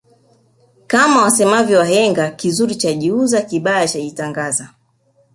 Kama wasemavyo wahenga kizuri chajiuza kibaya chajitangaza